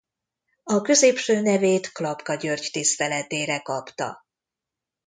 A középső nevét Klapka György tiszteletére kapta.